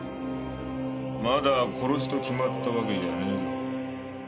まだ殺しと決まったわけじゃねえぞ。